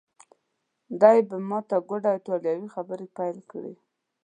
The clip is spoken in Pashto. دی په ماته ګوډه ایټالوي خبرې پیل کړې.